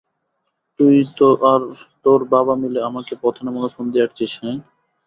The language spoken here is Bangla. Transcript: তুই আর তোর বাবা মিলে আমাকে পথে নামানোর ফন্দি আঁটছিস, হ্যাঁ?